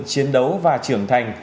chiến đấu và trưởng thành